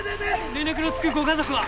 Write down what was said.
・連絡のつくご家族は？